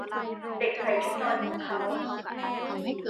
เด็กใส่ชุดนอนของเค้า